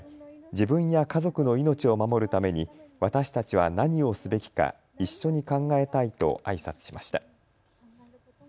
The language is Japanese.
自分や家族の命を守るために私たちは何をすべきか一緒に考えたいとあいさつしました。